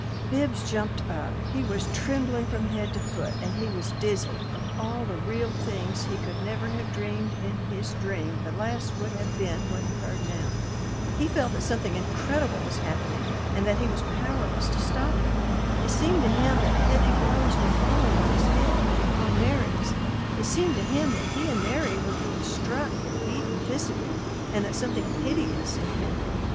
Bibbs jumped up. He was trembling from head to foot and he was dizzy of all the real things he could never have dreamed in his dream the last would have been what he heard now. He felt that something incredible was happening, and that he was powerless to stop it. It seemed to him that heavy blows were falling on his head and upon Mary's; it seemed to him that he and Mary were being struck and beaten physically and that something hideous impended.